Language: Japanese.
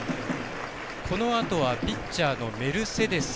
このあとは、ピッチャーのメルセデス。